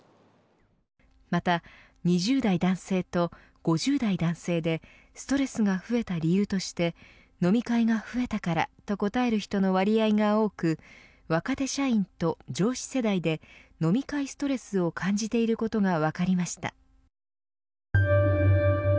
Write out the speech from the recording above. また、２０代男性と５０代男性でストレスが増えた理由として飲み会が増えたからと答える人の割合が多く若手社員と上司世代で飲み会ストレスを感じていることが分かりました。